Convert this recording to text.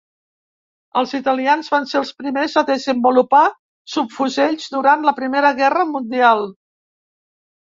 Els italians van ser els primers a desenvolupar subfusells durant la Primera Guerra Mundial.